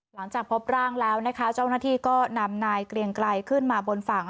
หลังจากพบร่างแล้วนะคะเจ้าหน้าที่ก็นำนายเกลียงไกลขึ้นมาบนฝั่ง